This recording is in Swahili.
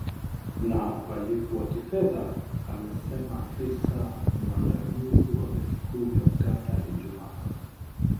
Na uhalifu wa kifedha amesema afisa mwandamizi wa benki kuu ya Uganda, Ijumaa.